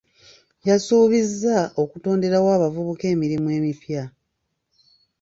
Yasuubiza okutonderawo abavubuka emirimu emipya.